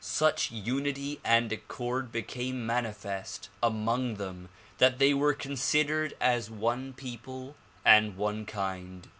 Such unity and accord became manifest among them that they were considered as one people and one kind.